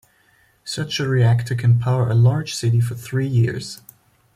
Such a reactor can power a large city for three years.